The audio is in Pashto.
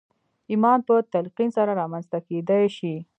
ايمان په تلقين سره رامنځته کېدای شي.